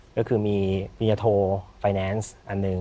ก็คือมีอย่าโทรไฟแนนซ์อันหนึ่ง